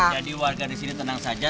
jadi warga di sini tenang saja